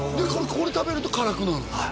これ食べると辛くなるんだは